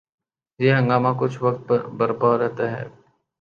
یہ ہنگامہ کچھ وقت برپا رہتا ہے۔